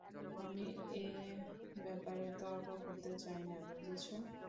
আমি এ ব্যাপারে তর্ক করতে চাই না, বুঝেছ?